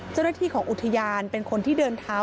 เจ้าหน้าที่ของอุทยานเป็นคนที่เดินเท้า